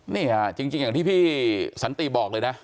นี่ค่ะจริงอย่างที่พี่สันติบอกเลยนะ